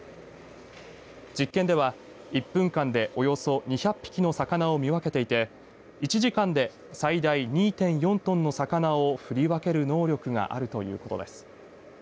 実験では、１分間でおよそ２００匹の魚を見分けていて１時間で最大２．４トンの魚を振り分ける能力があるということです。